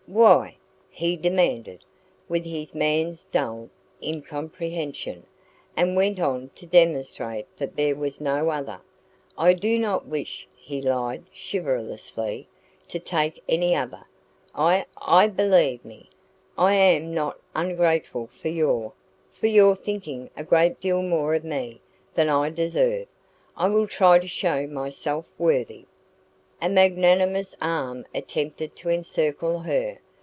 "Why?" he demanded, with his man's dull incomprehension, and went on to demonstrate that there was no other. "I do not wish," he lied chivalrously, "to take any other. I I believe me, I am not ungrateful for your for your thinking a great deal more of me than I deserve. I will try to show myself worthy " A magnanimous arm attempted to encircle her.